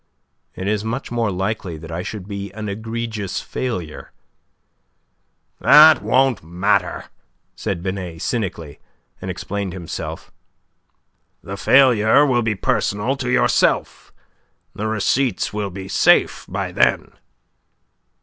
"It is much more likely that I should be an egregious failure." "That won't matter," said Binet, cynically, and explained himself. "The failure will be personal to yourself. The receipts will be safe by then."